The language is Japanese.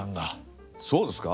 そうですか？